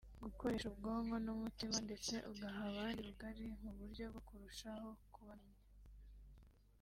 gukoresha ubwonko n’umutima ndetse ugaha abandi rugari mu buryo bwo kurushaho kubamenya